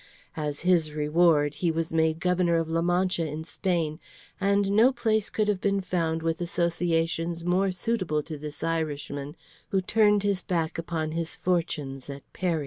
As his reward he was made Governor of La Mancha in Spain, and no place could have been found with associations more suitable to this Irishman who turned his back upon his fortunes at Peri.